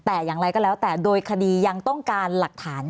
แต่อย่างไรก็แล้วแต่โดยคดียังต้องการหลักฐาน